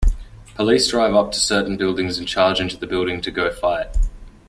Police drive up to certain buildings and charge into the building to go fight.